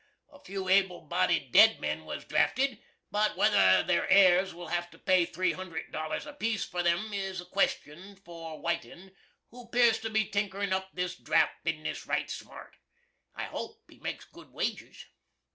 A few able bodid dead men was drafted, but whether their heirs will have to pay 3 hundrid dollars a peace for 'em is a question for Whitin', who 'pears to be tinkerin' up this draft bizniss right smart. I hope he makes good wages.